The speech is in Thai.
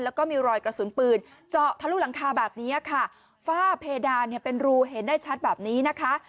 แล้วก็มีรอยกระสุนปืนเจาะทะลุหลังคาแบบนี้ค่ะฝ้าเพดานเนี่ยเป็นรูเห็นได้ชัดแบบนี้นะคะ